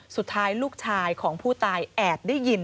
สุดท้ายลูกชายของผู้ตายแอบได้ยิน